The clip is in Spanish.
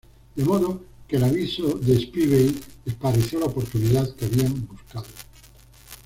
De modo que el aviso de Spivey les pareció la oportunidad que habían buscado.